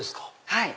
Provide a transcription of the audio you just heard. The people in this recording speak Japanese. はい。